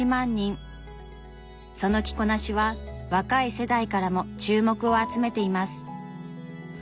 その着こなしは若い世代からも注目を集めています。